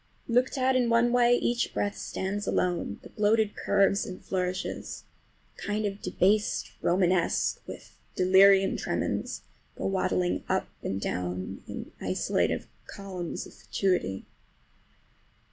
Looked at in one way each breadth stands alone, the bloated curves and flourishes—a kind of "debased Romanesque" with delirium tremens—go waddling up and down in isolated columns of fatuity.